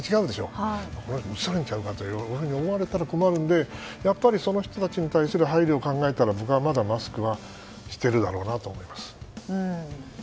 うつされるんじゃないかと思われたら困るので、やっぱりその人たちに対する配慮を考えたら僕はまだマスクはしているだろうなと思います。